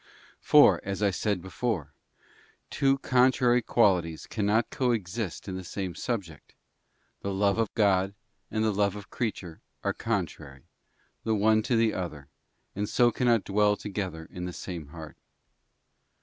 For, as I said before,§ two contrary qualities cannot coexist in the same subject; the love of God and the love of the creature are contrary, the one to the other, and so cannot dwell together in the same heart.